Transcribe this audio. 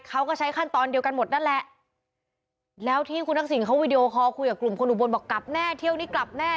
เขาก็ใช้ขั้นตอนเดียวกันหมดนั่นแหละแล้วที่คุณทักษิณเขาวีดีโอคอลคุยกับกลุ่มคนอุบลบอกกลับแน่เที่ยวนี้กลับแน่